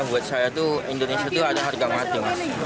buat saya tuh indonesia tuh ada harga mati mas